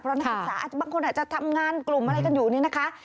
เพราะนักศึกษาอาจจะบางคนอาจจะทำงานกลุ่มอะไรกันอยู่นี่นะคะ